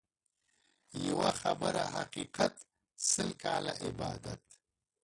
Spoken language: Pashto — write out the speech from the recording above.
يوه خبره حقيقت ، سل کاله عبادت.